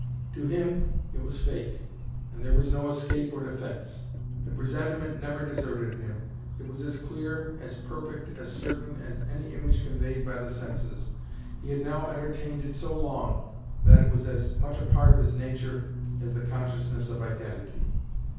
To him it was fate, and there was no escape or defense. The presentiment never deserted him. It was as clear, as perfect, as certain as any image conveyed by the senses. He had now entertained it so long that it was as much a part of his nature as the consciousness of identity.